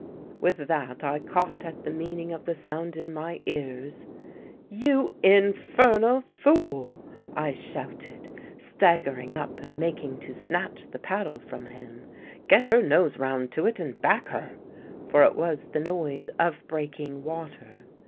"With that I caught at the meaning of the sound in my ears. 'You infernal fool!' I shouted, staggering up and making to snatch the paddle from him. 'Get her nose round to it and back her!' For it was the noise of breaking water.